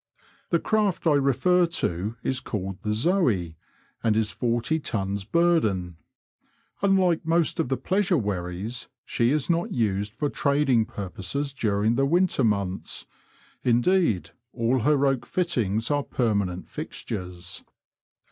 The craft I refer to is called the Zoe, and is 40 tons burden. Unlike most of the pleasure wherries, she is not used for trading purposes during the winter months — indeed, all her oak fittings are permanent fixtures.